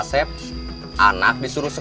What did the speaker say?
pertanda kan sama ongkong